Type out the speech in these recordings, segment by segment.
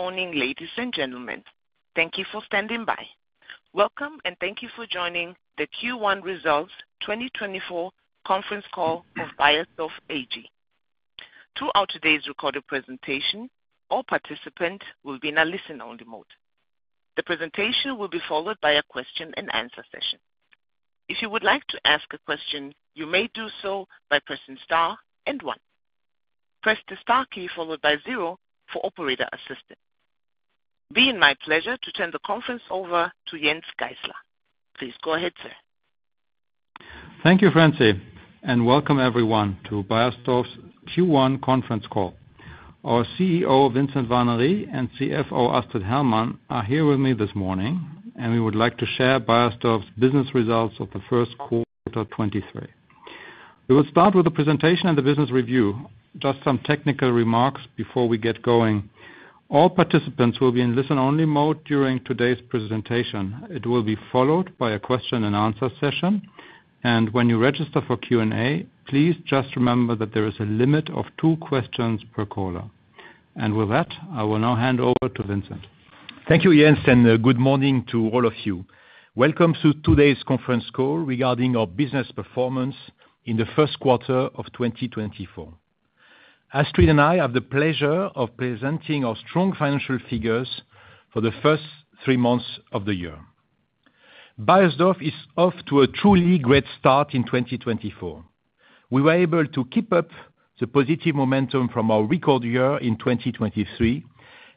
Good morning, ladies and gentlemen. Thank you for standing by. Welcome, and thank you for joining the Q1 Results 2024 conference call of Beiersdorf AG. Throughout today's recorded presentation, all participants will be in a listen-only mode. The presentation will be followed by a question-and-answer session. If you would like to ask a question, you may do so by pressing * and 1. Press the * key followed by 0 for operator assistance. It is my pleasure to turn the conference over to Jens Geißler. Please go ahead, sir. Thank you, Francie, and welcome everyone to Beiersdorf's Q1 conference call. Our CEO, Vincent Warnery, and CFO, Astrid Hermann, are here with me this morning, and we would like to share Beiersdorf's business results of the first quarter 2023. We will start with the presentation and the business review, just some technical remarks before we get going. All participants will be in listen-only mode during today's presentation. It will be followed by a question-and-answer session. When you register for Q&A, please just remember that there is a limit of two questions per caller. With that, I will now hand over to Vincent. Thank you, Jens, and good morning to all of you. Welcome to today's conference call regarding our business performance in the first quarter of 2024. Astrid and I have the pleasure of presenting our strong financial figures for the first three months of the year. Beiersdorf is off to a truly great start in 2024. We were able to keep up the positive momentum from our record year in 2023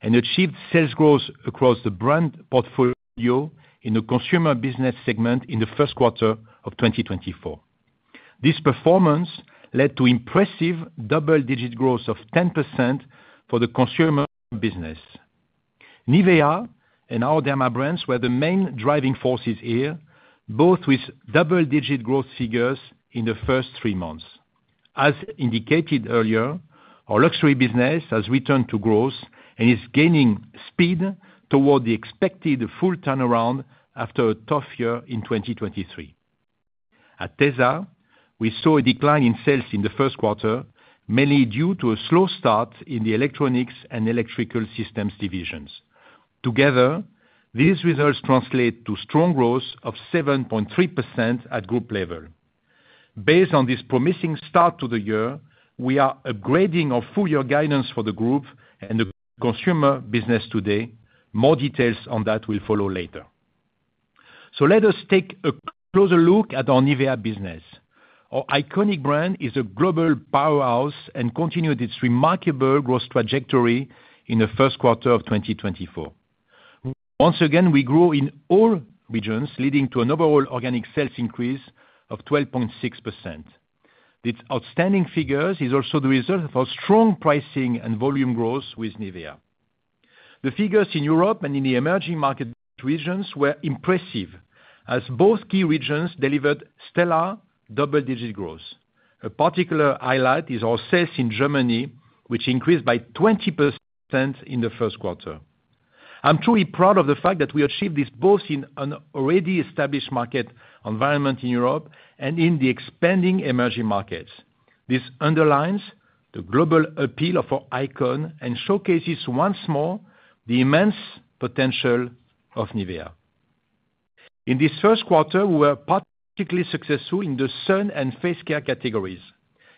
and achieved sales growth across the brand portfolio in the consumer business segment in the first quarter of 2024. This performance led to impressive double-digit growth of 10% for the consumer business. NIVEA and our Derma brands were the main driving forces here, both with double-digit growth figures in the first three months. As indicated earlier, our luxury business has returned to growth and is gaining speed toward the expected full turnaround after a tough year in 2023. At tesa, we saw a decline in sales in the first quarter, mainly due to a slow start in the electronics and electrical systems divisions. Together, these results translate to strong growth of 7.3% at group level. Based on this promising start to the year, we are upgrading our full-year guidance for the group and the consumer business today. More details on that will follow later. So let us take a closer look at our NIVEA business. Our iconic brand is a global powerhouse and continued its remarkable growth trajectory in the first quarter of 2024. Once again, we grew in all regions, leading to an overall organic sales increase of 12.6%. These outstanding figures are also the result of our strong pricing and volume growth with NIVEA. The figures in Europe and in the emerging market regions were impressive, as both key regions delivered stellar double-digit growth. A particular highlight is our sales in Germany, which increased by 20% in the first quarter. I'm truly proud of the fact that we achieved this both in an already established market environment in Europe and in the expanding emerging markets. This underlines the global appeal of our icon and showcases once more the immense potential of NIVEA. In this first quarter, we were particularly successful in the sun and face care categories.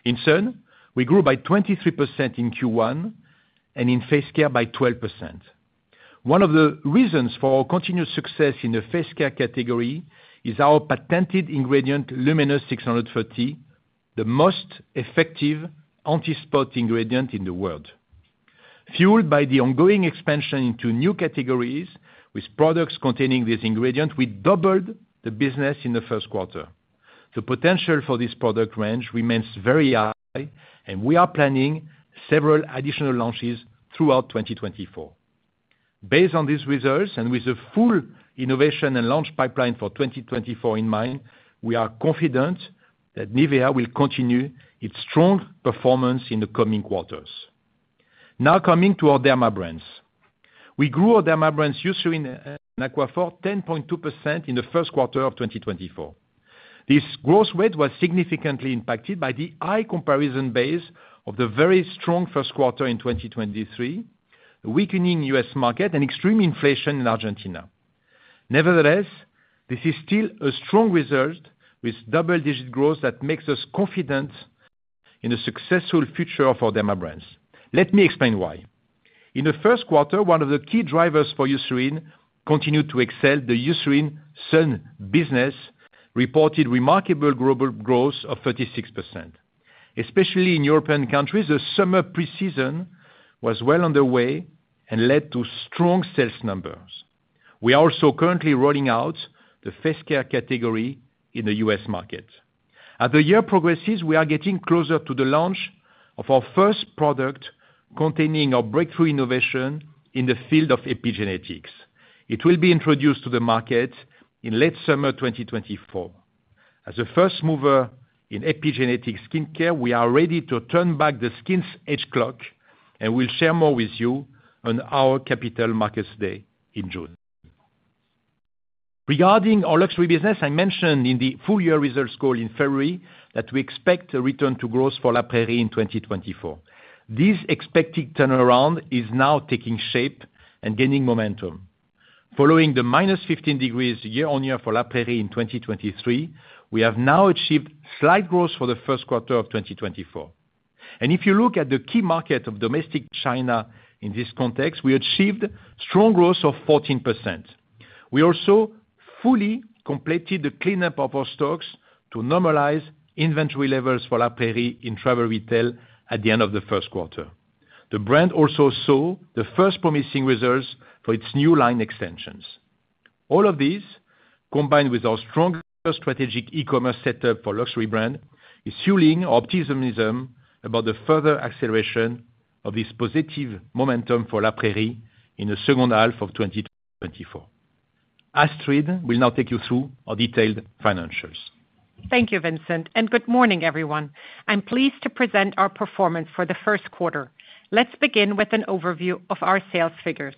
In sun, we grew by 23% in Q1 and in face care by 12%. One of the reasons for our continued success in the face care category is our patented ingredient, LUMINOUS630, the most effective anti-spot ingredient in the world. Fueled by the ongoing expansion into new categories with products containing this ingredient, we doubled the business in the first quarter. The potential for this product range remains very high, and we are planning several additional launches throughout 2024. Based on these results, and with the full innovation and launch pipeline for 2024 in mind, we are confident that NIVEA will continue its strong performance in the coming quarters. Now coming to Derma brands. We grew Derma brands, Eucerin and Aquaphor, 10.2% in the first quarter of 2024. This growth rate was significantly impacted by the high comparison base of the very strong first quarter in 2023, the weakening US market, and extreme inflation in Argentina. Nevertheless, this is still a strong result with double-digit growth that makes us confident in the successful future of Derma brands. Let me explain why. In the first quarter, one of the key drivers for Eucerin continued to excel, the Eucerin sun business reported remarkable global growth of 36%. Especially in European countries, the summer pre-season was well underway and led to strong sales numbers. We are also currently rolling out the face care category in the US market. As the year progresses, we are getting closer to the launch of our first product containing our breakthrough innovation in the field of epigenetics. It will be introduced to the market in late summer 2024. As the first mover in epigenetic skin care, we are ready to turn back the skin's age clock and will share more with you on our Capital Markets Day in June. Regarding our luxury business, I mentioned in the full-year results call in February that we expect a return to growth for La Prairie in 2024. This expected turnaround is now taking shape and gaining momentum. Following the -15 degree year-on-year for La Prairie in 2023, we have now achieved slight growth for the first quarter of 2024. If you look at the key market of domestic China in this context, we achieved strong growth of 14%. We also fully completed the cleanup of our stocks to normalize inventory levels for La Prairie in travel retail at the end of the first quarter. The brand also saw the first promising results for its new line extensions. All of this, combined with our strong strategic e-commerce setup for luxury brand, is fueling our optimism about the further acceleration of this positive momentum for La Prairie in the second half of 2024. Astrid will now take you through our detailed financials. Thank you, Vincent, and good morning, everyone. I'm pleased to present our performance for the first quarter. Let's begin with an overview of our sales figures.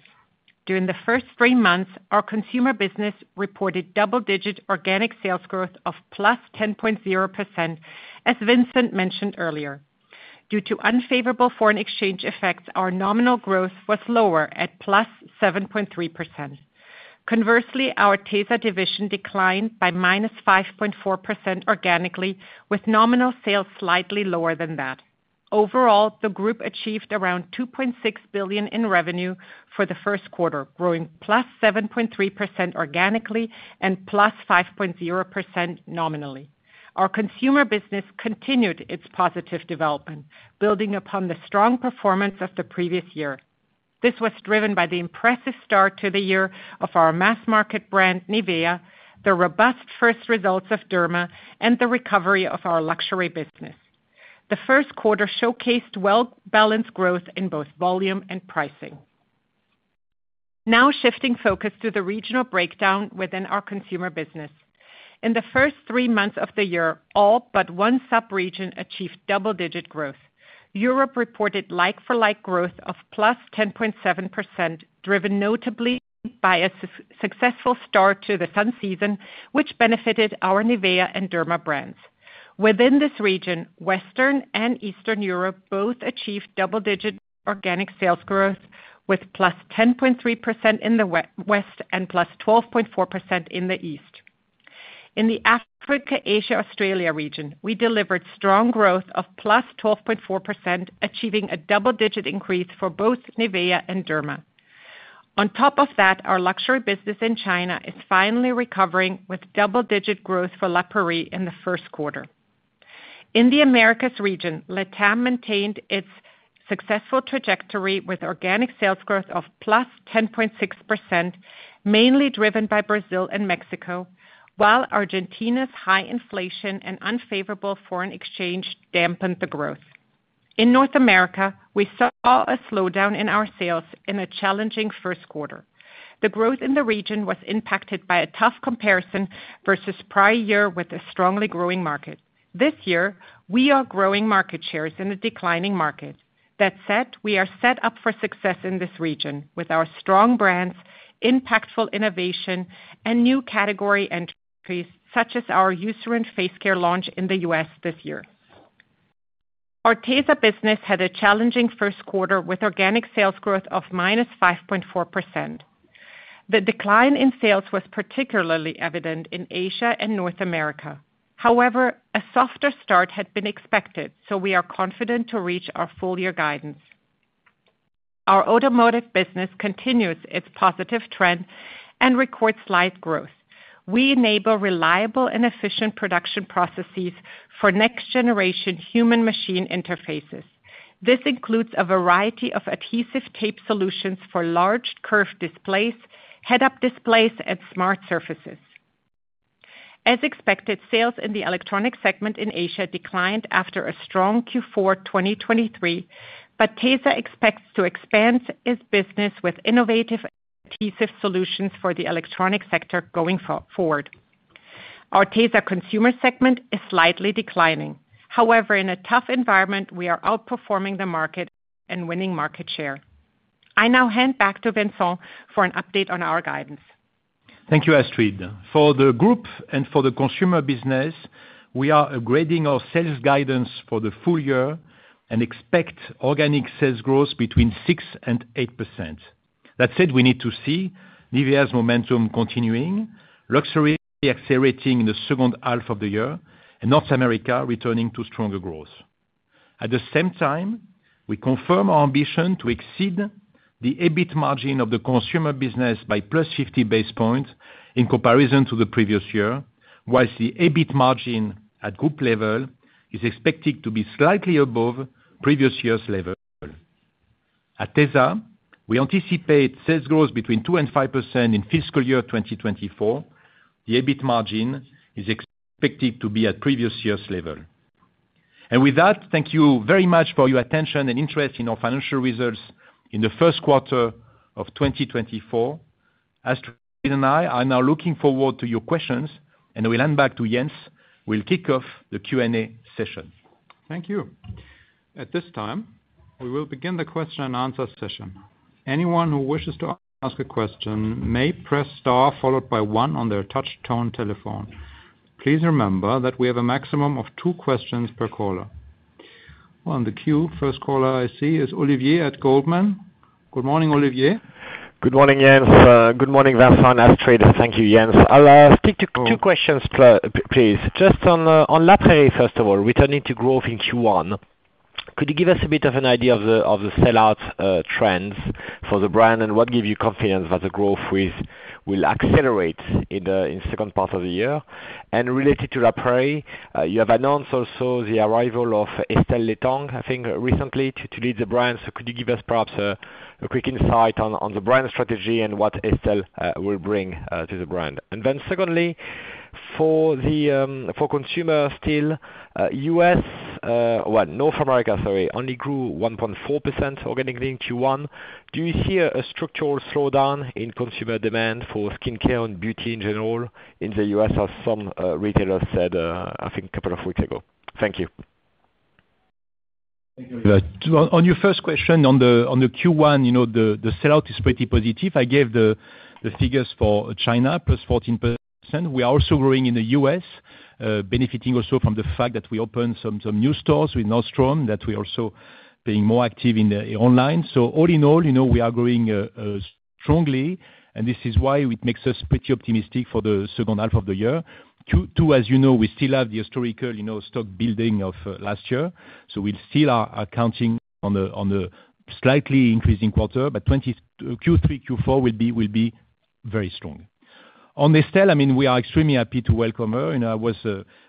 During the first three months, our consumer business reported double-digit organic sales growth of +10.0%, as Vincent mentioned earlier. Due to unfavorable foreign exchange effects, our nominal growth was lower at +7.3%. Conversely, our tesa division declined by -5.4% organically, with nominal sales slightly lower than that. Overall, the group achieved around 2.6 billion in revenue for the first quarter, growing +7.3% organically and +5.0% nominally. Our consumer business continued its positive development, building upon the strong performance of the previous year. This was driven by the impressive start to the year of our mass market brand, NIVEA, the robust first results of Derma, and the recovery of our luxury business. The first quarter showcased well-balanced growth in both volume and pricing. Now shifting focus to the regional breakdown within our consumer business. In the first three months of the year, all but one sub-region achieved double-digit growth. Europe reported like-for-like growth of +10.7%, driven notably by a successful start to the sun season, which benefited our NIVEA and Derma brands. Within this region, Western and Eastern Europe both achieved double-digit organic sales growth with +10.3% in the west and +12.4% in the east. In the Africa, Asia, Australia region, we delivered strong growth of +12.4%, achieving a double-digit increase for both NIVEA and Derma. On top of that, our luxury business in China is finally recovering with double-digit growth for La Prairie in the first quarter. In the Americas region, LATAM maintained its successful trajectory with organic sales growth of +10.6%, mainly driven by Brazil and Mexico, while Argentina's high inflation and unfavorable foreign exchange dampened the growth. In North America, we saw a slowdown in our sales in a challenging first quarter. The growth in the region was impacted by a tough comparison versus prior year with a strongly growing market. This year, we are growing market shares in a declining market. That said, we are set up for success in this region with our strong brands, impactful innovation, and new category entries such as our NIVEA Face care launch in the U.S. this year. Our tesa business had a challenging first quarter with organic sales growth of -5.4%. The decline in sales was particularly evident in Asia and North America. However, a softer start had been expected, so we are confident to reach our full-year guidance. Our automotive business continues its positive trend and records slight growth. We enable reliable and efficient production processes for next-generation human-machine interfaces. This includes a variety of adhesive tape solutions for large curved displays, head-up displays, and smart surfaces. As expected, sales in the electronic segment in Asia declined after a strong Q4 2023, but tesa expects to expand its business with innovative adhesive solutions for the electronic sector going forward. Our tesa consumer segment is slightly declining. However, in a tough environment, we are outperforming the market and winning market share. I now hand back to Vincent for an update on our guidance. Thank you, Astrid. For the group and for the consumer business, we are upgrading our sales guidance for the full year and expect organic sales growth between 6% and 8%. That said, we need to see NIVEA's momentum continuing, luxury accelerating in the second half of the year, and North America returning to stronger growth. At the same time, we confirm our ambition to exceed the EBIT margin of the consumer business by plus 50 basis points in comparison to the previous year, while the EBIT margin at group level is expected to be slightly above previous year's level. At tesa, we anticipate sales growth between 2% and 5% in fiscal year 2024. The EBIT margin is expected to be at previous year's level. And with that, thank you very much for your attention and interest in our financial results in the first quarter of 2024. Astrid and I. I'm now looking forward to your questions, and I will hand back to Jens. We'll kick off the Q&A session. Thank you. At this time, we will begin the question and answer session. Anyone who wishes to ask a question may press star followed by one on their touch-tone telephone. Please remember that we have a maximum of two questions per caller. On the queue, first caller I see is Olivier at Goldman. Good morning, Olivier. Good morning, Jens. Good morning, Vincent, Astrid, and thank you, Jens. I'll ask two questions, please. Just on La Prairie, first of all, returning to growth in Q1, could you give us a bit of an idea of the sellout trends for the brand, and what gave you confidence that the growth will accelerate in the second part of the year? And related to La Prairie, you have announced also the arrival of Estelle Létang, I think, recently to lead the brand. So could you give us perhaps a quick insight on the brand strategy and what Estelle will bring to the brand? And then secondly, for consumer still, US well, North America, sorry, only grew 1.4% organically in Q1. Do you see a structural slowdown in consumer demand for skin care and beauty in general in the US, as some retailers said, I think, a couple of weeks ago? Thank you. Thank you. On your first question, on the Q1, the sellout is pretty positive. I gave the figures for China, +14%. We are also growing in the U.S., benefiting also from the fact that we opened some new stores with Nordstrom, that we are also being more active online. So all in all, we are growing strongly, and this is why it makes us pretty optimistic for the second half of the year. Two, as you know, we still have the historical stock building of last year. So we still are counting on a slightly increasing quarter, but Q3, Q4 will be very strong. On Estelle, I mean, we are extremely happy to welcome her. I was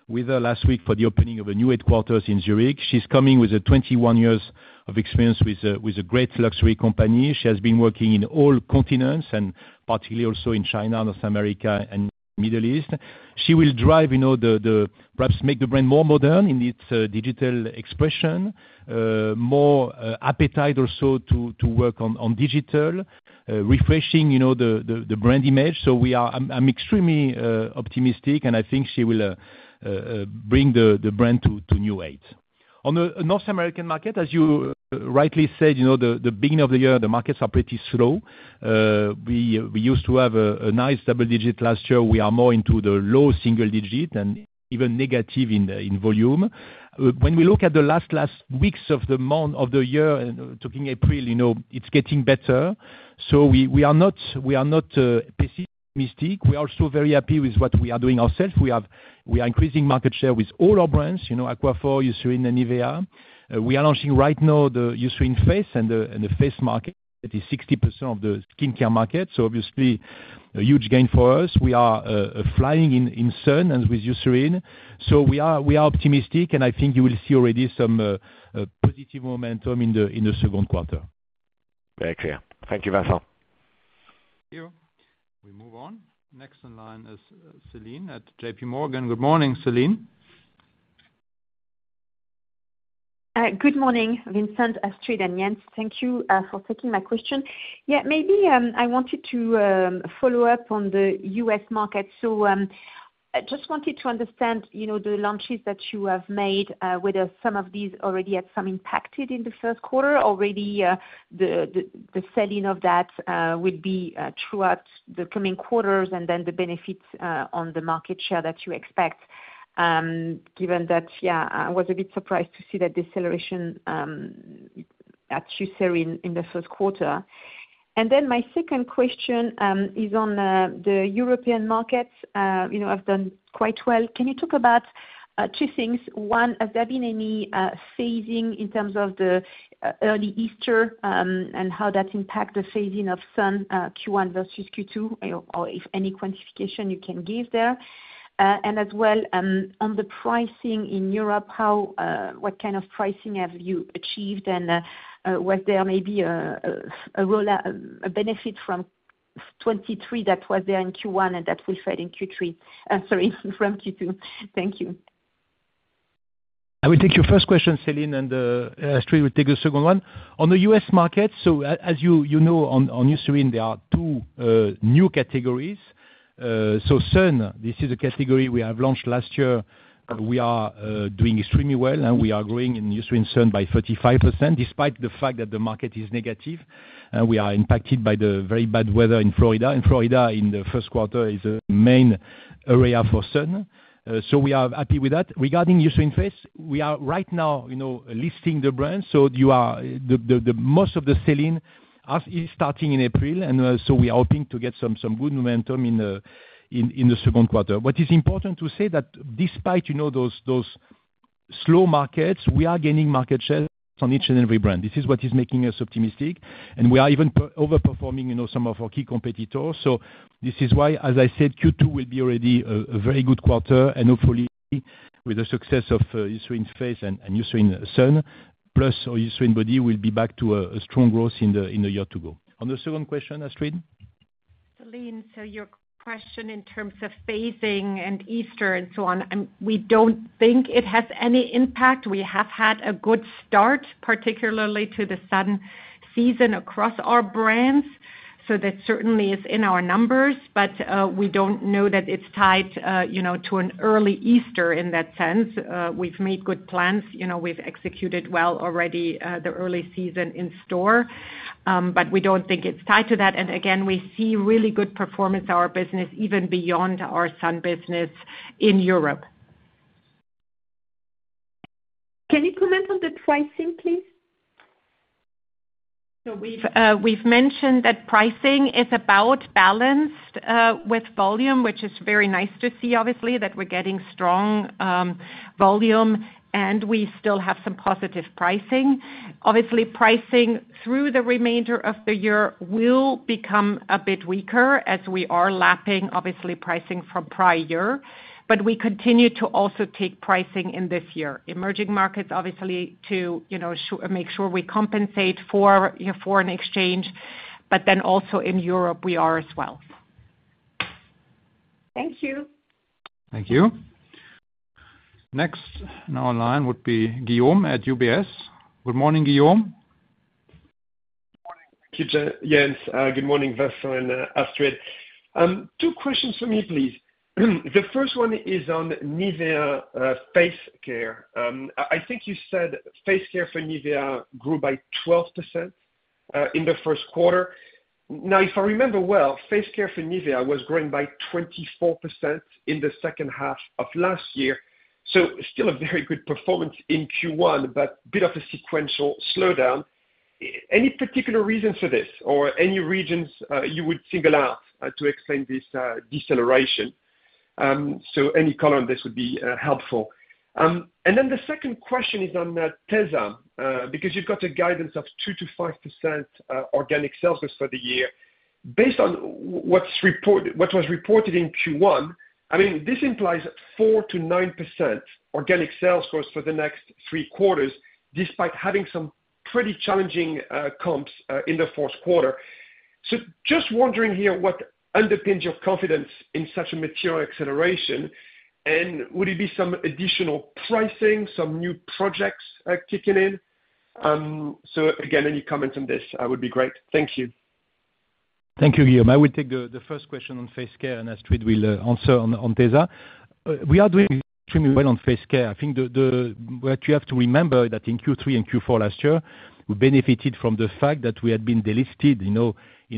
with her last week for the opening of a new headquarters in Zurich. She's coming with 21 years of experience with a great luxury company. She has been working in all continents and particularly also in China, North America, and Middle East. She will drive, perhaps make the brand more modern in its digital expression, more appetite also to work on digital, refreshing the brand image. So I'm extremely optimistic, and I think she will bring the brand to new heights. On the North American market, as you rightly said, the beginning of the year, the markets are pretty slow. We used to have a nice double-digit last year. We are more into the low single-digit and even negative in volume. When we look at the last weeks of the year, talking April, it's getting better. So we are not pessimistic. We are also very happy with what we are doing ourselves. We are increasing market share with all our brands, Aquaphor, Eucerin in NIVEA. We are launching right now the NIVEA Face and the face market. It is 60% of the skin care market. So obviously, a huge gain for us. We are flying in sun and with NIVEA Sun. So we are optimistic, and I think you will see already some positive momentum in the second quarter. Very clear. Thank you, Vincent. Thank you. We move on. Next on line is Celine at J.P. Morgan. Good morning, Celine. Good morning, Vincent, Astrid, and Jens. Thank you for taking my question. Yeah, maybe I wanted to follow up on the U.S. market. So I just wanted to understand the launches that you have made whether some of these already had some impact in the first quarter or maybe the sellout of that will be throughout the coming quarters and then the benefits on the market share that you expect, given that, yeah, I was a bit surprised to see that deceleration, as usually in the first quarter. And then my second question is on the European markets. They've done quite well. Can you talk about two things? One, has there been any phasing in terms of the early Easter and how that impacted the phasing of sun Q1 versus Q2, or if any quantification you can give there? As well, on the pricing in Europe, what kind of pricing have you achieved, and was there maybe a benefit from 2023 that was there in Q1 and that will fade in Q3? Sorry, from Q2. Thank you. I will take your first question, Celine, and Astrid will take the second one. On the US market, so as you know on NIVEA, there are two new categories. Sun, this is a category we have launched last year. We are doing extremely well, and we are growing in NIVEA sun by 35% despite the fact that the market is negative. We are impacted by the very bad weather in Florida. And Florida in the first quarter is the main area for sun. We are happy with that. Regarding NIVEA face, we are right now listing the brands. Most of the selling is starting in April, and we are hoping to get some good momentum in the second quarter. What is important to say is that despite those slow markets, we are gaining market share on each and every brand. This is what is making us optimistic, and we are even overperforming some of our key competitors. So this is why, as I said, Q2 will be already a very good quarter, and hopefully, with the success of NIVEA Face and NIVEA Sun, plus NIVEA Body, we'll be back to a strong growth in a year to go. On the second question, Astrid? Celine, so your question in terms of phasing and Easter and so on, we don't think it has any impact. We have had a good start, particularly to the sun season across our brands. So that certainly is in our numbers, but we don't know that it's tied to an early Easter in that sense. We've made good plans. We've executed well already the early season in store, but we don't think it's tied to that. And again, we see really good performance, our business, even beyond our sun business in Europe. Can you comment on the pricing, please? So we've mentioned that pricing is about balanced with volume, which is very nice to see, obviously, that we're getting strong volume, and we still have some positive pricing. Obviously, pricing through the remainder of the year will become a bit weaker as we are lapping, obviously, pricing from prior year, but we continue to also take pricing in this year. Emerging markets, obviously, to make sure we compensate for foreign exchange, but then also in Europe, we are as well. Thank you. Thank you. Next on our line would be Guillaume at UBS. Good morning, Guillaume. Good morning, Jens. Good morning, Vincent and Astrid. Two questions for me, please. The first one is on NIVEA face care. I think you said face care for NIVEA grew by 12% in the first quarter. Now, if I remember well, face care for NIVEA was growing by 24% in the second half of last year. So still a very good performance in Q1, but a bit of a sequential slowdown. Any particular reason for this or any regions you would single out to explain this deceleration? So any color on this would be helpful. And then the second question is on tesa because you've got a guidance of 2%-5% organic sales growth for the year. Based on what was reported in Q1, I mean, this implies 4%-9% organic sales growth for the next three quarters despite having some pretty challenging comps in the fourth quarter. So just wondering here what underpins your confidence in such a material acceleration, and would it be some additional pricing, some new projects kicking in? So again, any comments on this would be great. Thank you. Thank you, Guillaume. I will take the first question on face care, and Astrid will answer on tesa. We are doing extremely well on face care. I think what you have to remember is that in Q3 and Q4 last year, we benefited from the fact that we had been delisted in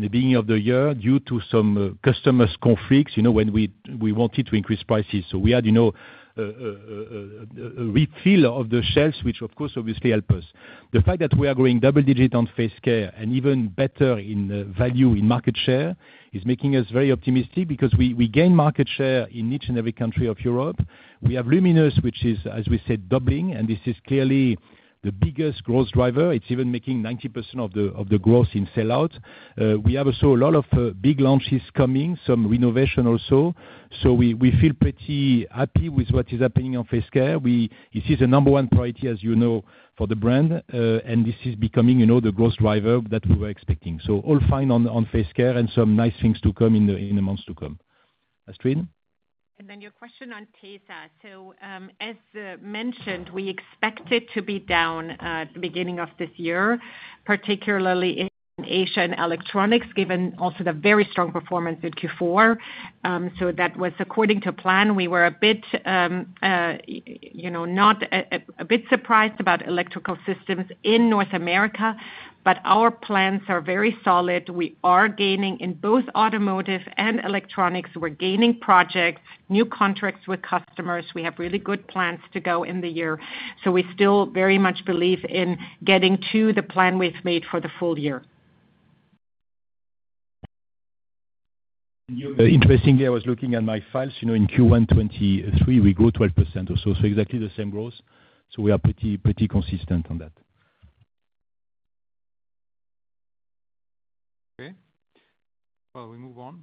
the beginning of the year due to some customers' conflicts when we wanted to increase prices. So we had a refill of the shelves, which, of course, obviously helped us. The fact that we are growing double-digit on face care and even better in value, in market share, is making us very optimistic because we gain market share in each and every country of Europe. We have Luminous, which is, as we said, doubling, and this is clearly the biggest growth driver. It's even making 90% of the growth in sellout. We have also a lot of big launches coming, some renovation also. So we feel pretty happy with what is happening on face care. This is a number one priority, as you know, for the brand, and this is becoming the growth driver that we were expecting. So all fine on face care and some nice things to come in the months to come. Astrid? Then your question on tesa. So as mentioned, we expected to be down at the beginning of this year, particularly in Asia and electronics, given also the very strong performance in Q4. So that was according to plan. We were a bit surprised about electrical systems in North America, but our plans are very solid. We are gaining in both automotive and electronics. We're gaining projects, new contracts with customers. We have really good plans to go in the year. So we still very much believe in getting to the plan we've made for the full year. Interestingly, I was looking at my files. In Q1 2023, we grew 12% also. So exactly the same growth. So we are pretty consistent on that. Okay. Well, we move on.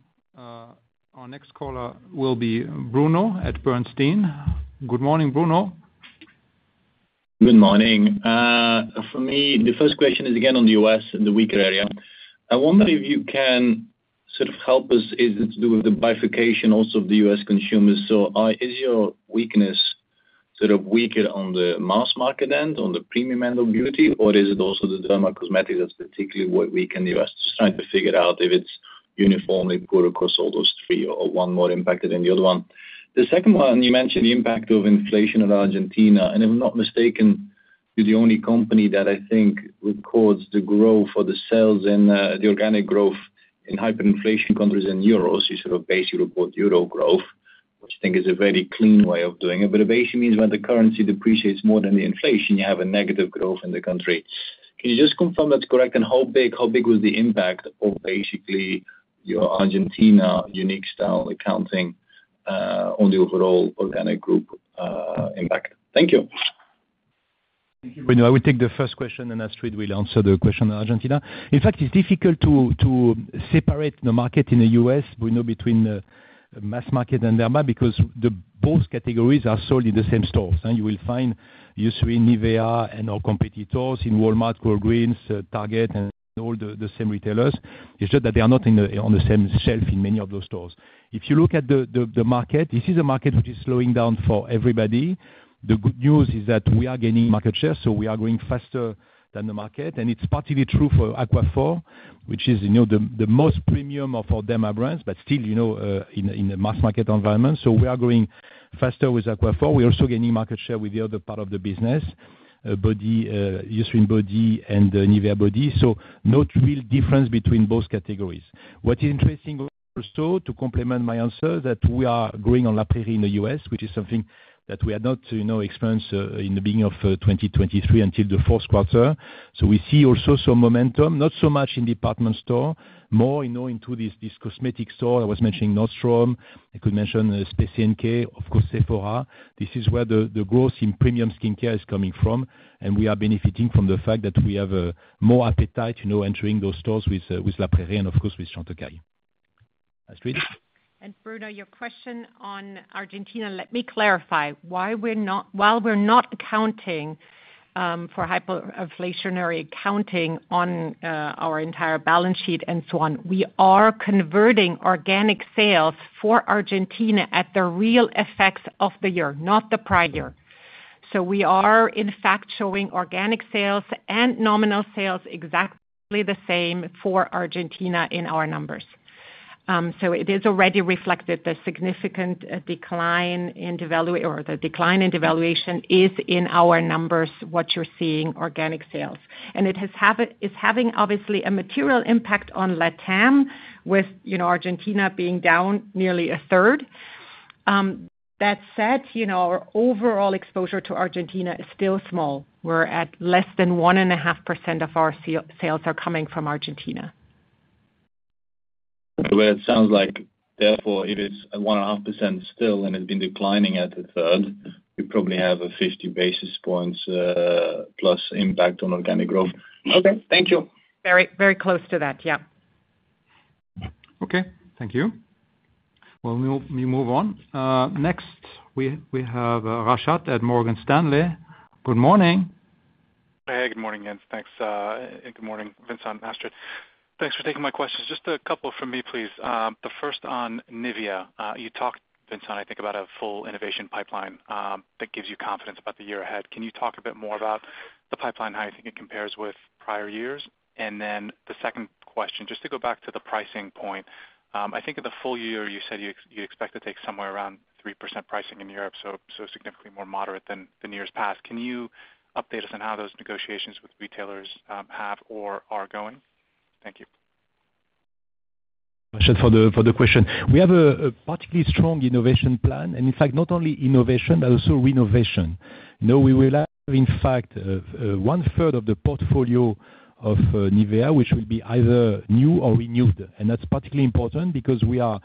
Our next caller will be Bruno at Bernstein. Good morning, Bruno. Good morning. For me, the first question is again on the U.S., the weaker area. I wonder if you can sort of help us. Is it to do with the bifurcation also of the U.S. consumers? So is your weakness sort of weaker on the mass market end, on the premium end of beauty, or is it also the derma, cosmetics that's particularly weak in the U.S.? Just trying to figure out if it's uniformly poor across all those three or one more impacted than the other one. The second one, you mentioned the impact of inflation in Argentina. And if I'm not mistaken, you're the only company that I think records the growth for the sales and the organic growth in hyperinflation countries in euros. You sort of basically report euro growth, which I think is a very clean way of doing it. It basically means when the currency depreciates more than the inflation, you have a negative growth in the country. Can you just confirm that's correct? How big was the impact of basically your Argentina unique style accounting on the overall organic group impact? Thank you. Thank you, Bruno. I will take the first question, and Astrid will answer the question on Argentina. In fact, it's difficult to separate the market in the U.S., Bruno, between mass market and derma because both categories are sold in the same stores. You will find usually NIVEA and our competitors in Walmart, Kroger, Target, and all the same retailers. It's just that they are not on the same shelf in many of those stores. If you look at the market, this is a market which is slowing down for everybody. The good news is that we are gaining market share, so we are growing faster than the market. And it's partly true for Aquaphor, which is the most premium of our derma brands, but still in the mass market environment. So we are growing faster with Aquaphor. We're also gaining market share with the other part of the business, usually in body and NIVEA body. So no real difference between both categories. What is interesting also, to complement my answer, is that we are growing on La Prairie in the U.S., which is something that we had not experienced in the beginning of 2023 until the fourth quarter. So we see also some momentum, not so much in department store, more into this cosmetic store. I was mentioning Nordstrom. I could mention Space NK, of course, Sephora. This is where the growth in premium skincare is coming from, and we are benefiting from the fact that we have more appetite entering those stores with La Prairie and, of course, with Chantecaille. Astrid? Bruno, your question on Argentina. Let me clarify. While we're not accounting for hyperinflationary accounting on our entire balance sheet and so on, we are converting organic sales for Argentina at the real effects of the year, not the prior year. So we are, in fact, showing organic sales and nominal sales exactly the same for Argentina in our numbers. So it has already reflected the significant decline in or the decline in devaluation is in our numbers, what you're seeing, organic sales. And it is having, obviously, a material impact on LATAM with Argentina being down nearly a third. That said, our overall exposure to Argentina is still small. We're at less than 1.5% of our sales are coming from Argentina. Well, it sounds like, therefore, if it's 1.5% still and it's been declining at a third, you probably have a 50+ basis points impact on organic growth. Okay. Thank you. Very, very close to that. Yeah. Okay. Thank you. Well, we move on. Next, we have Rashad at Morgan Stanley. Good morning. Hey. Good morning, Jens. Thanks. Good morning, Vincent and Astrid. Thanks for taking my questions. Just a couple from me, please. The first on NIVEA. You talked, Vincent, I think, about a full innovation pipeline that gives you confidence about the year ahead. Can you talk a bit more about the pipeline, how you think it compares with prior years? And then the second question, just to go back to the pricing point, I think in the full year, you said you expect to take somewhere around 3% pricing in Europe, so significantly more moderate than years past. Can you update us on how those negotiations with retailers have or are going? Thank you. Rashad, for the question. We have a particularly strong innovation plan, and in fact, not only innovation, but also renovation. We will have, in fact, one-third of the portfolio of NIVEA, which will be either new or renewed. And that's particularly important because we are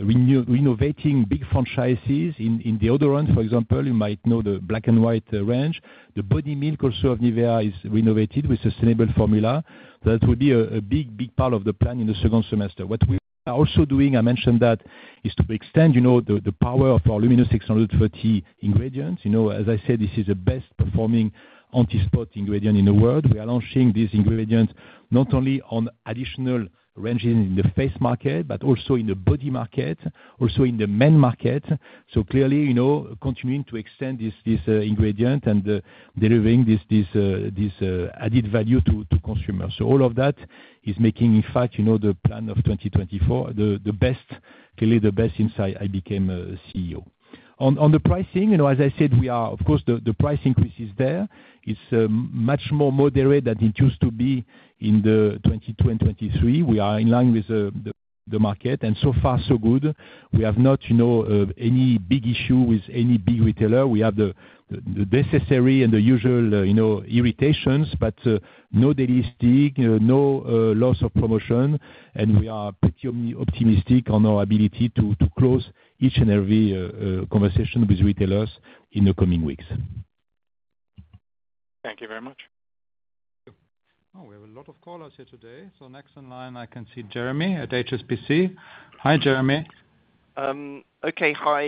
renovating big franchises. In the other end, for example, you might know the black-and-white range. The body milk also of NIVEA is renovated with sustainable formula. So that will be a big, big part of the plan in the second semester. What we are also doing, I mentioned that, is to extend the power of our Luminous 630 ingredients. As I said, this is the best-performing anti-spot ingredient in the world. We are launching these ingredients not only on additional ranges in the face market, but also in the body market, also in the men market. So clearly, continuing to extend this ingredient and delivering this added value to consumers. So all of that is making, in fact, the plan of 2024 clearly the best since I became CEO. On the pricing, as I said, of course, the price increase is there. It's much more moderate than it used to be in 2022 and 2023. We are in line with the market, and so far, so good. We have not any big issue with any big retailer. We have the necessary and the usual irritations, but no delisting, no loss of promotion, and we are pretty optimistic on our ability to close each and every conversation with retailers in the coming weeks. Thank you very much. Oh, we have a lot of callers here today. So next on line, I can see Jeremy at HSBC. Hi, Jeremy. Okay. Hi.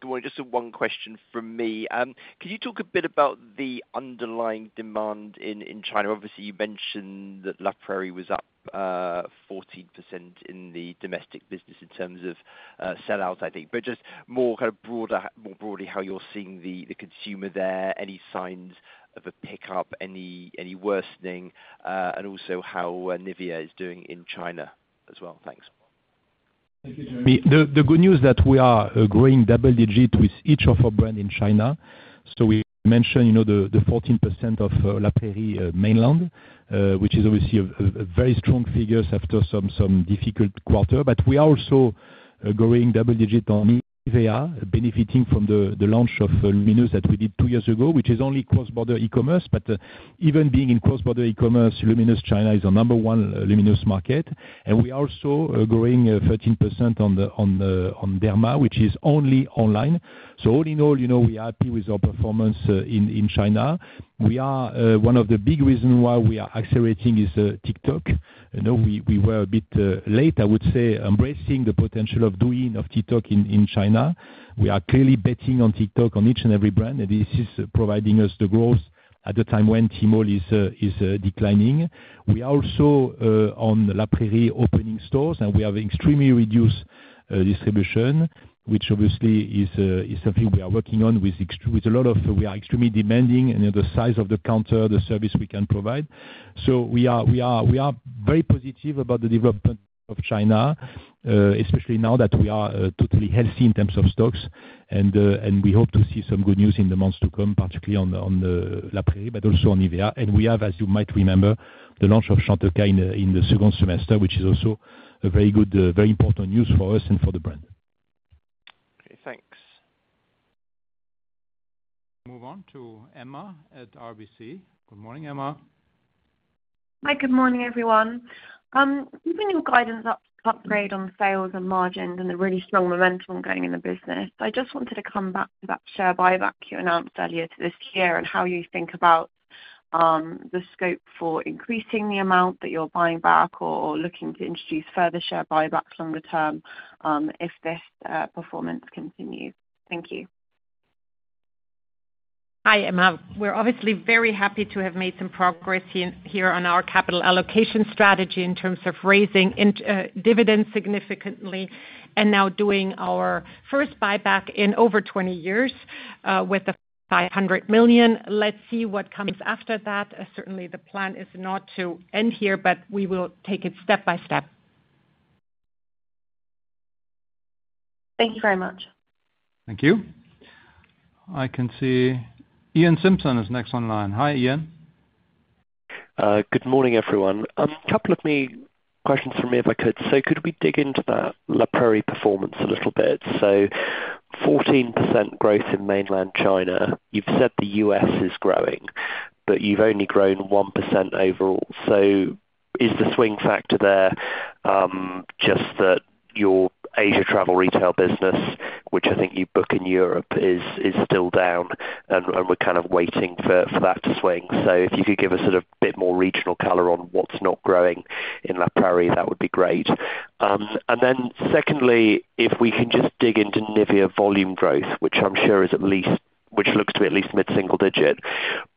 Good morning. Just one question from me. Can you talk a bit about the underlying demand in China? Obviously, you mentioned that La Prairie was up 14% in the domestic business in terms of sellout, I think, but just more kind of broadly how you're seeing the consumer there, any signs of a pickup, any worsening, and also how NIVEA is doing in China as well. Thanks. Thank you, Jeremy. The good news is that we are growing double-digit with each of our brands in China. So we mentioned the 14% of La Prairie mainland, which is obviously a very strong figure after some difficult quarter. But we are also growing double-digit on NIVEA, benefiting from the launch of Luminous that we did two years ago, which is only cross-border e-commerce. But even being in cross-border e-commerce, Luminous China is our number one Luminous market. And we are also growing 13% on Derma, which is only online. So all in all, we are happy with our performance in China. One of the big reasons why we are accelerating is TikTok. We were a bit late, I would say, embracing the potential of doing of TikTok in China. We are clearly betting on TikTok on each and every brand, and this is providing us the growth at the time when Tmall is declining. We are also on La Prairie opening stores, and we have extremely reduced distribution, which obviously is something we are working on. We are extremely demanding in the size of the counter, the service we can provide. So we are very positive about the development of China, especially now that we are totally healthy in terms of stocks. We hope to see some good news in the months to come, particularly on La Prairie, but also on NIVEA. We have, as you might remember, the launch of Chantecaille in the second semester, which is also very good, very important news for us and for the brand. Okay. Thanks. Move on to Emma at RBC. Good morning, Emma. Hi. Good morning, everyone. Given your guidance upgrade on sales and margins and the really strong momentum going in the business, I just wanted to come back to that share buyback you announced earlier this year and how you think about the scope for increasing the amount that you're buying back or looking to introduce further share buybacks longer term if this performance continues. Thank you. Hi, Emma. We're obviously very happy to have made some progress here on our capital allocation strategy in terms of raising dividends significantly and now doing our first buyback in over 20 years with the 500 million. Let's see what comes after that. Certainly, the plan is not to end here, but we will take it step by step. Thank you very much. Thank you. I can see Iain Simpson is next online. Hi, Iain. Good morning, everyone. A couple of questions from me, if I could. So could we dig into that La Prairie performance a little bit? So 14% growth in mainland China. You've said the US is growing, but you've only grown 1% overall. So is the swing factor there just that your Asia travel retail business, which I think you book in Europe, is still down, and we're kind of waiting for that to swing? So if you could give us sort of a bit more regional color on what's not growing in La Prairie, that would be great. And then secondly, if we can just dig into NIVEA volume growth, which looks to be at least mid-single digit,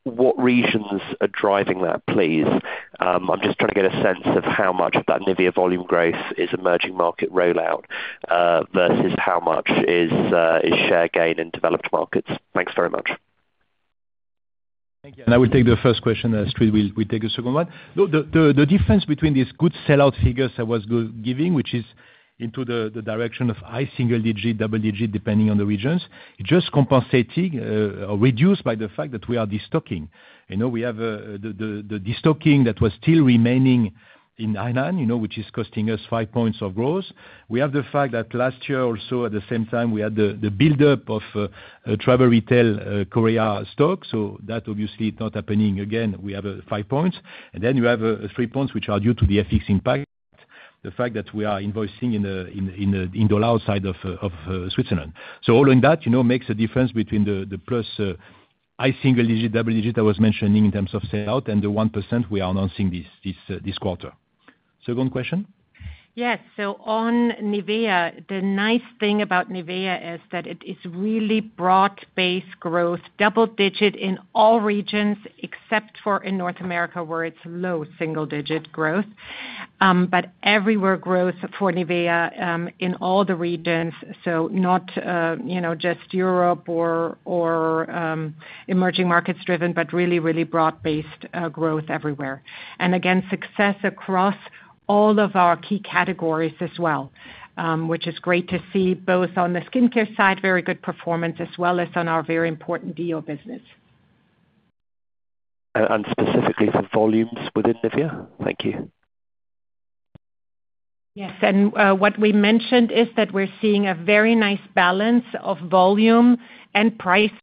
what regions are driving that, please? I'm just trying to get a sense of how much of that NIVEA volume growth is emerging market rollout versus how much is share gain in developed markets. Thanks very much. Thank you. And I will take the first question. Astrid, we'll take the second one. No, the difference between these good sellout figures I was giving, which is into the direction of high single-digit, double-digit, depending on the regions, it's just compensating or reduced by the fact that we are destocking. We have the destocking that was still remaining in Hainan, which is costing us 5 points of growth. We have the fact that last year also, at the same time, we had the buildup of travel retail Korea stock. So that, obviously, is not happening. Again, we have 5 points. And then you have 3 points, which are due to the FX impact, the fact that we are invoicing in dollar outside of Switzerland. So all in that makes a difference between the plus high single digit, double digit I was mentioning in terms of sellout, and the 1% we are announcing this quarter. Second question? Yes. So on NIVEA, the nice thing about NIVEA is that it is really broad-based growth, double-digit in all regions except for in North America where it's low single-digit growth. But everywhere growth for NIVEA in all the regions, so not just Europe or emerging markets driven, but really, really broad-based growth everywhere. And again, success across all of our key categories as well, which is great to see both on the skin care side, very good performance, as well as on our very important deo business. Specifically for volumes within NIVEA? Thank you. Yes. What we mentioned is that we're seeing a very nice balance of volume and pricing.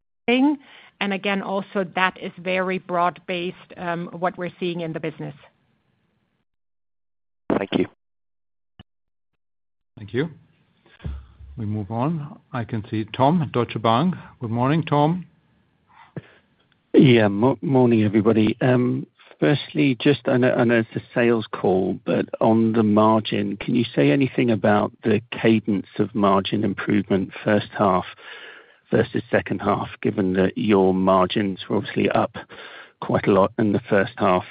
Again, also, that is very broad-based, what we're seeing in the business. Thank you. Thank you. We move on. I can see Tom Deutsche Bank. Good morning, Tom. Yeah. Morning, everybody. Firstly, just on a sales call, but on the margin, can you say anything about the cadence of margin improvement first half versus second half, given that your margins were obviously up quite a lot in the first half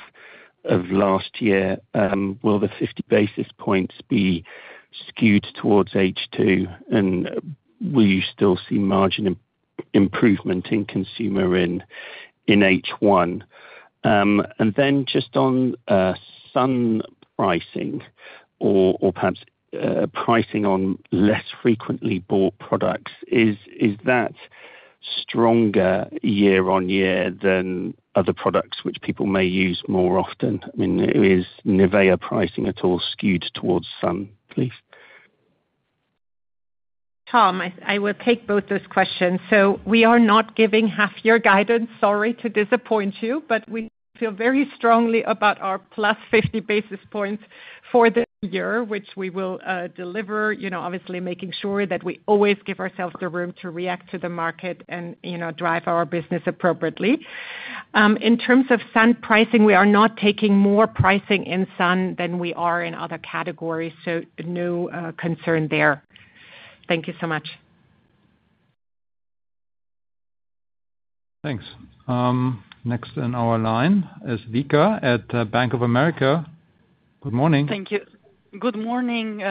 of last year? Will the 50 basis points be skewed towards H2, and will you still see margin improvement in consumer in H1? And then just on sun pricing or perhaps pricing on less frequently bought products, is that stronger year-on-year than other products which people may use more often? I mean, is NIVEA pricing at all skewed towards sun, please? Tom, I will take both those questions. So we are not giving half-year guidance, sorry to disappoint you, but we feel very strongly about our +50 basis points for this year, which we will deliver, obviously making sure that we always give ourselves the room to react to the market and drive our business appropriately. In terms of sun pricing, we are not taking more pricing in sun than we are in other categories, so no concern there. Thank you so much. Thanks. Next on our line is Vika at Bank of America. Good morning. Thank you. Good morning,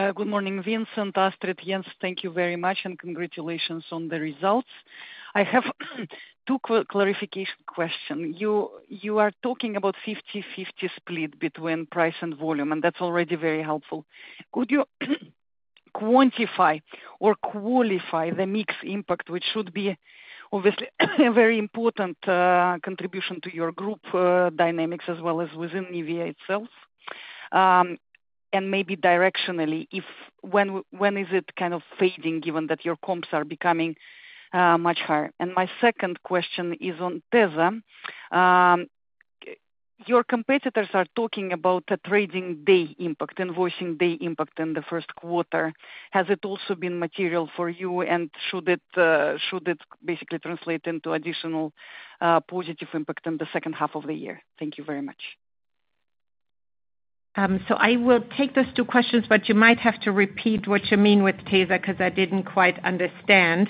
Vincent, Astrid, Jens. Thank you very much, and congratulations on the results. I have two clarification questions. You are talking about 50/50 split between price and volume, and that's already very helpful. Could you quantify or qualify the mix impact, which should be obviously a very important contribution to your group dynamics as well as within NIVEA itself, and maybe directionally, when is it kind of fading given that your comps are becoming much higher? And my second question is on tesa. Your competitors are talking about trading day impact, invoicing day impact in the first quarter. Has it also been material for you, and should it basically translate into additional positive impact in the second half of the year? Thank you very much. So I will take those two questions, but you might have to repeat what you mean with tesa because I didn't quite understand.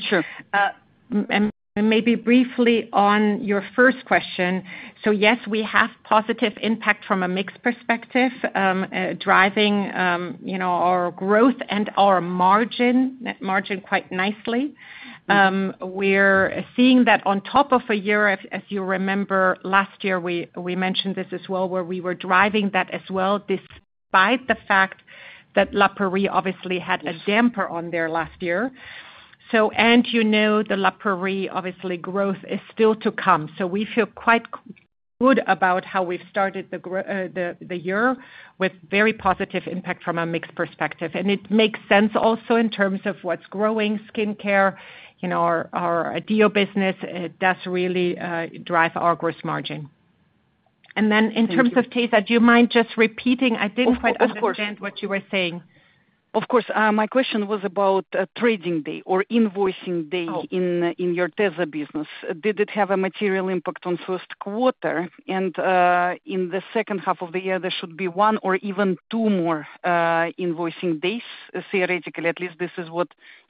And maybe briefly on your first question. So yes, we have positive impact from a mix perspective, driving our growth and our margin quite nicely. We're seeing that on top of a year, as you remember, last year we mentioned this as well, where we were driving that as well despite the fact that La Prairie obviously had a damper on there last year. And the La Prairie, obviously, growth is still to come. So we feel quite good about how we've started the year with very positive impact from a mix perspective. And it makes sense also in terms of what's growing, skincare, our Derma business. It does really drive our gross margin. And then in terms of tesa, do you mind just repeating? I didn't quite understand what you were saying. Of course. Of course. My question was about trading day or invoicing day in your tesa business. Did it have a material impact on first quarter? And in the second half of the year, there should be one or even two more invoicing days, theoretically. At least this is what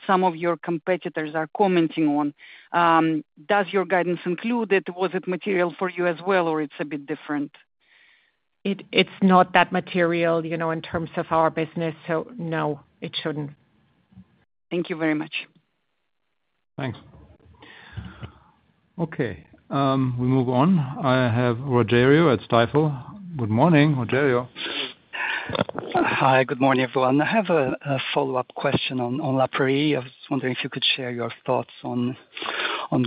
some of your competitors are commenting on. Does your guidance include it? Was it material for you as well, or it's a bit different? It's not that material in terms of our business. So no, it shouldn't. Thank you very much. Thanks. Okay. We move on. I have Rogério at Stifel. Good morning, Rogério. Hi. Good morning, everyone. I have a follow-up question on La Prairie. I was wondering if you could share your thoughts on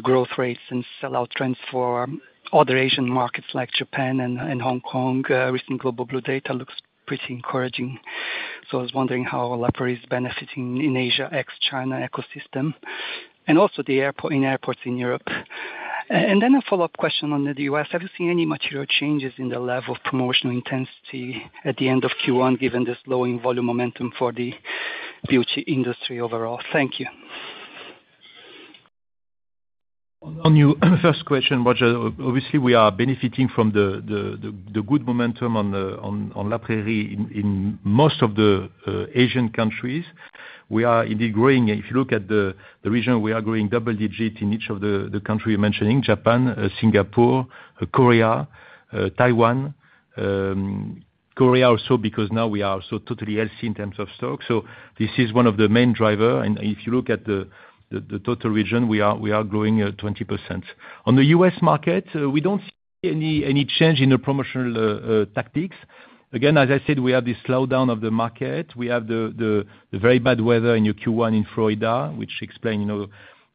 growth rates and sellout trends for other Asian markets like Japan and Hong Kong. Recent Global Blue data looks pretty encouraging. So I was wondering how La Prairie is benefiting in Asia ex-China ecosystem and also in airports in Europe. And then a follow-up question on the U.S. Have you seen any material changes in the level of promotional intensity at the end of Q1 given this slowing volume momentum for the beauty industry overall? Thank you. On your first question, Rogério, obviously, we are benefiting from the good momentum on La Prairie in most of the Asian countries. We are indeed growing. If you look at the region, we are growing double-digit in each of the countries you're mentioning: Japan, Singapore, Korea, Taiwan. Korea also because now we are also totally healthy in terms of stock. So this is one of the main drivers. And if you look at the total region, we are growing 20%. On the U.S. market, we don't see any change in the promotional tactics. Again, as I said, we have this slowdown of the market. We have the very bad weather in Q1 in Florida, which explained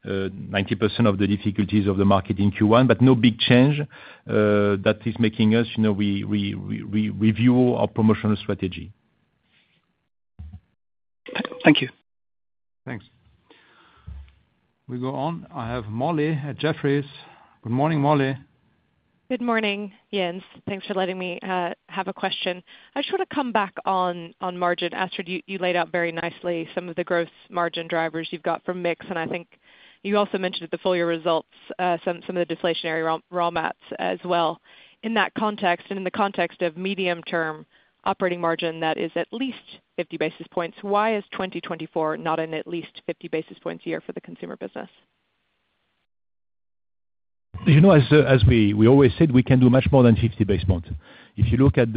90% of the difficulties of the market in Q1, but no big change that is making us review our promotional strategy. Thank you. Thanks. We go on. I have Molly at Jefferies. Good morning, Molly. Good morning, Jens. Thanks for letting me have a question. I just want to come back on margin. Astrid, you laid out very nicely some of the growth margin drivers you've got from mix. And I think you also mentioned at the full year results some of the deflationary raw mats as well. In that context and in the context of medium-term operating margin that is at least 50 basis points, why is 2024 not an at least 50 basis points year for the consumer business? As we always said, we can do much more than 50 basis points. If you look at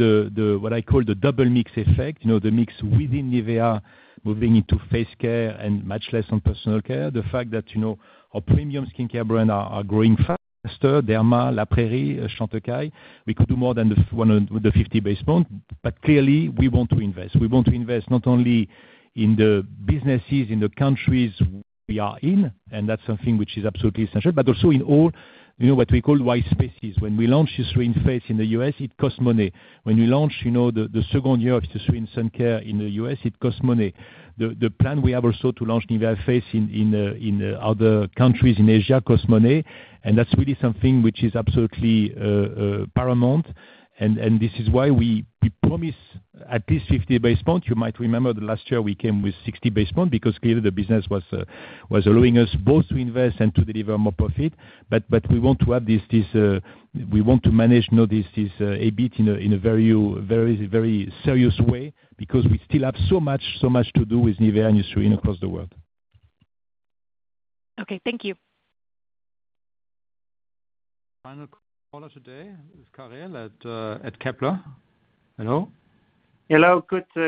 what I call the double mix effect, the mix within NIVEA moving into face care and much less on personal care, the fact that our premium skincare brands are growing faster: Derma, La Prairie, Chantecaille, we could do more than the 50 basis points. But clearly, we want to invest. We want to invest not only in the businesses in the countries we are in, and that's something which is absolutely essential, but also in all what we call white spaces. When we launched Eucerin in Face in the U.S., it cost money. When we launched the second year of History in Sun Care in the U.S., it cost money. The plan we have also to launch NIVEA Face in other countries in Asia costs money. And that's really something which is absolutely paramount. And this is why we promise at least 50 basis points. You might remember that last year we came with 60 basis points because clearly, the business was allowing us both to invest and to deliver more profit. But we want to have this, we want to manage this EBIT in a very serious way because we still have so much to do with NIVEA and tesa across the world. Okay. Thank you. Final caller today is Karel at Kepler. Hello? Hello.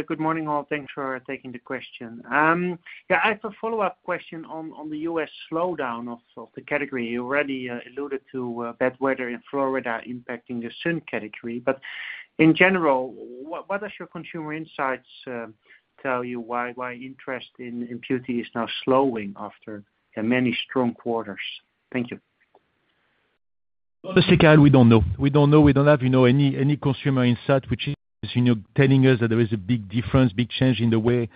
Good morning, all. Thanks for taking the question. Yeah. I have a follow-up question on the U.S. slowdown of the category. You already alluded to bad weather in Florida impacting the sun category. But in general, what does your consumer insights tell you why interest in beauty is now slowing after many strong quarters? Thank you. Honestly, Karel, we don't know. We don't know. We don't have any consumer insight which is telling us that there is a big difference, big change in the way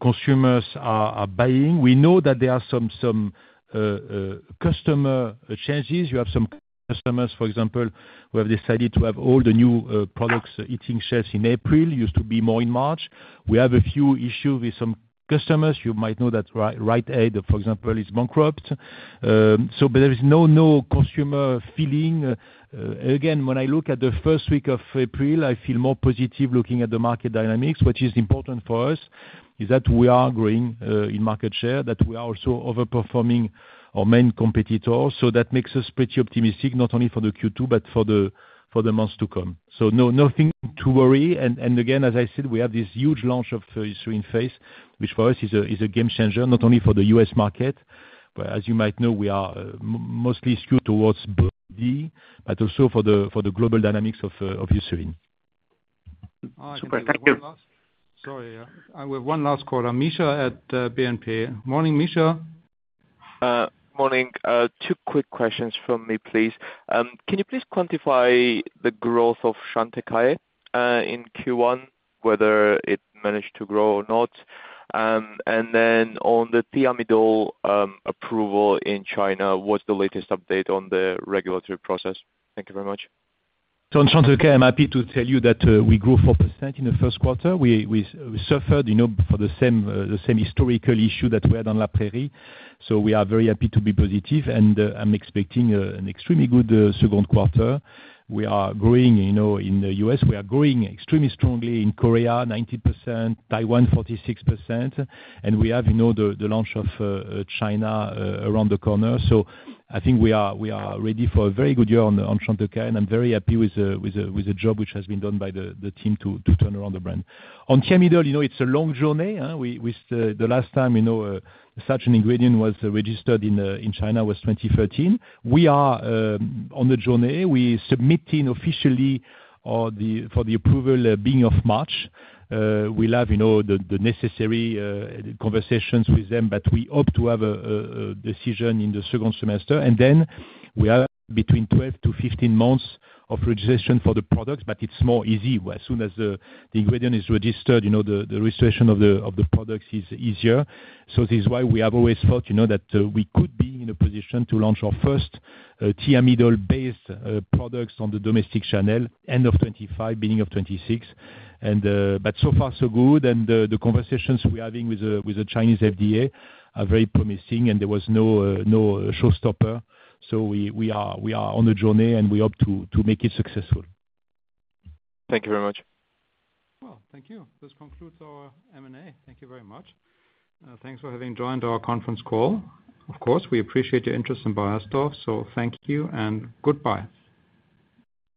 consumers are buying. We know that there are some customer changes. You have some customers, for example, who have decided to have all the new products hitting shelves in April. Used to be more in March. We have a few issues with some customers. You might know that Rite Aid, for example, is bankrupt. But there is no consumer feeling. Again, when I look at the first week of April, I feel more positive looking at the market dynamics. What is important for us is that we are growing in market share, that we are also overperforming our main competitors. So that makes us pretty optimistic not only for the Q2 but for the months to come. So nothing to worry. Again, as I said, we have this huge launch of History in Face, which for us is a game changer, not only for the US market, but as you might know, we are mostly skewed towards BD but also for the global dynamics of History. Super. Thank you. Sorry, yeah. I have one last caller. Misha at BNP. Morning, Misha. Morning. Two quick questions from me, please. Can you please quantify the growth of Chantecaille in Q1, whether it managed to grow or not? And then on the Thiamidol approval in China, what's the latest update on the regulatory process? Thank you very much. So on Chantecaille, I'm happy to tell you that we grew 4% in the first quarter. We suffered for the same historical issue that we had on La Prairie. So we are very happy to be positive. And I'm expecting an extremely good second quarter. We are growing in the U.S. We are growing extremely strongly in Korea, 90%, Taiwan, 46%. And we have the launch of China around the corner. So I think we are ready for a very good year on Chantecaille. And I'm very happy with the job which has been done by the team to turn around the brand. On Thiamidol, it's a long journey. The last time such an ingredient was registered in China was 2013. We are on the journey. We're submitting officially for the approval beginning of March. We'll have the necessary conversations with them, but we hope to have a decision in the second semester. Then we have between 12-15 months of registration for the products, but it's more easy. As soon as the ingredient is registered, the registration of the products is easier. This is why we have always thought that we could be in a position to launch our first Thiamidol-based products on the domestic channel end of 2025, beginning of 2026. But so far, so good. The conversations we're having with the Chinese FDA are very promising, and there was no showstopper. We are on the journey, and we hope to make it successful. Thank you very much. Well, thank you. This concludes our Q&A. Thank you very much. Thanks for having joined our conference call. Of course, we appreciate your interest in Beiersdorf. So thank you, and goodbye.